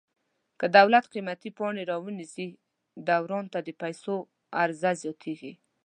که دولت قیمتي پاڼې را ونیسي دوران ته د پیسو عرضه زیاتیږي.